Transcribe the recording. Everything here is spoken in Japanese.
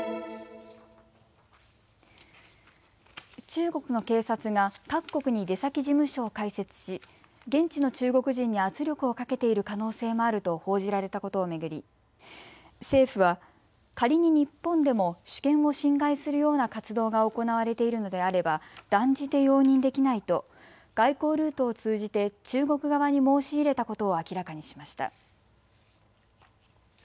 中国の警察が各国に出先事務所を開設し現地の中国人に圧力をかけている可能性もあると報じられたことを巡り政府は仮に日本でも主権を侵害するような活動が行われているのであれば断じて容認できないと外交ルートを通じて中国側に申し入れたことを明らかにしました。